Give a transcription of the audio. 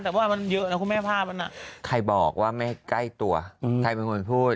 แต่ว่ามันเยอะนะคุณแม่ภาพมันใครบอกว่าไม่ใกล้ตัวใครเป็นคนพูด